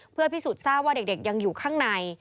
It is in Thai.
เพื่อพิสูจน์ทราบว่าเด็กยังอยู่ข้างใน